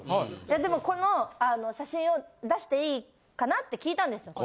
でもこの写真を出していいかな？って聞いたんですよ。